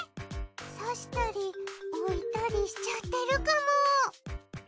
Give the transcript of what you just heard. さしたり置いたりしちゃってるかも。